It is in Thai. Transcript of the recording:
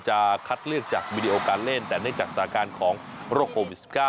จะคัดเลือกจากวิดีโอการเล่นแต่เนื่องจากสถานการณ์ของโรคโควิด๑๙